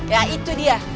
ya itu dia